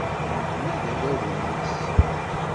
Nekkni d arraw-nnes.